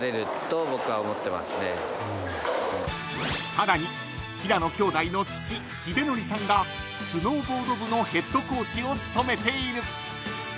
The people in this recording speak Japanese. ［さらに平野兄弟の父英功さんがスノーボード部のヘッドコーチを務めている］